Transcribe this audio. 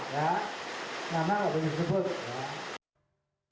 nama nggak boleh disebut